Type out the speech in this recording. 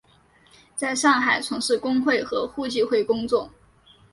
在上海从事工会和互济会工作。